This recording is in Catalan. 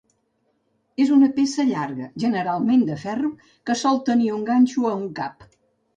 És una peça llarga, generalment de ferro, que sol tenir un ganxo a un cap.